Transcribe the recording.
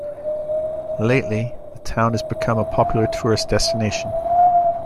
Lately, the town has become a popular tourist destination.